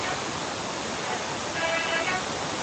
زاهدان